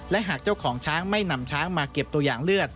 และหากเจ้าของช้างไม่นำช้างมาเก็บตัวอย่างเลือด